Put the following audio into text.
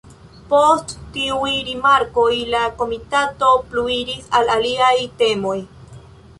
Post tiuj rimarkoj, la komitato pluiris al aliaj temoj.